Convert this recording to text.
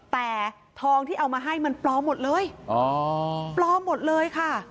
แต่ทองที่เอามาให้มันปลอมหมดเลยอ๋อปลอมหมดเลยค่ะ